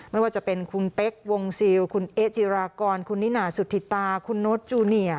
ไม่ว่าจะเป็นคุณเป๊กวงซิลคุณเอ๊จิรากรคุณนิน่าสุธิตาคุณโน๊ตจูเนีย